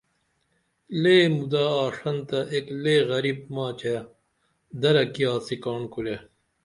لے مُدہ آڜنتہ ایک لے غریب ماچے درہ کی آڅی کاڻ کُرے